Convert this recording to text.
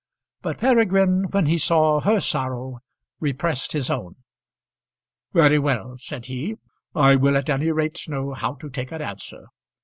But Peregrine, when he saw her sorrow, repressed his own. "Very well," said he; "I will at any rate know how to take an answer.